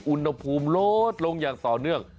อุณหภูมิลดลงอย่างต่อเนื่อง